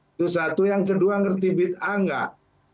itu satu yang kedua ngerti bid'ah nggak